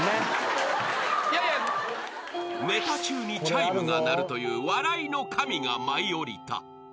［ネタ中にチャイムが鳴るという笑いの神が舞い降りた］